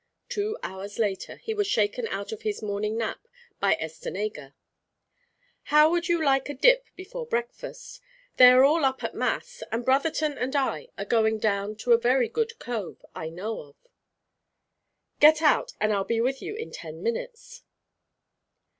Two hours later, he was shaken out of his morning nap by Estenega. "How would you like a dip before breakfast? They are all up at mass, and Brotherton and I are going down to a very good cove I know of." "Get out, and I'll be with you in ten minutes."